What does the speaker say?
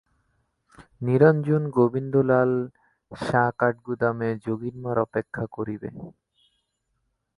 নিরঞ্জন গোবিন্দলাল সা কাঠগুদামে যোগীন-মার অপেক্ষা করিবে।